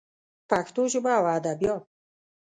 پښتو ژبه او ادبیات